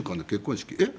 「えっ？